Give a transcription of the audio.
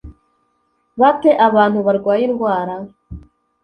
ba te abantu barwaye indwara